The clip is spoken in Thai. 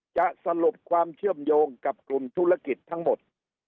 จะสรุปความเชื่อมโยงกับกลุ่มธุรกิจทั้งหมด